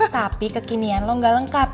tapi kekinian lo gak lengkap